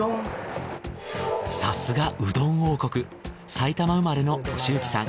さすがうどん王国埼玉生まれの俊之さん。